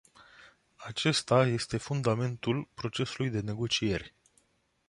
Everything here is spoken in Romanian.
Acesta este fundamentul procesului de negociere.